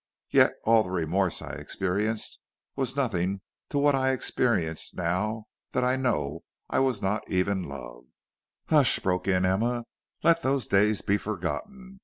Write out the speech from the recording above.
Yet all the remorse I experienced was nothing to what I experience now that I know I was not even loved " "Hush," broke in Emma, "let those days be forgotten.